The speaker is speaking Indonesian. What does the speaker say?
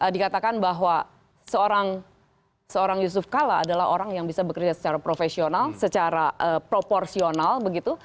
dikatakan bahwa seorang yusuf kala adalah orang yang bisa bekerja secara profesional secara proporsional begitu